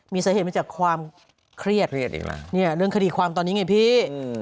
มีสาเหตุมาจากความเครียดเรื่องคดีความตอนนี้ไงพี่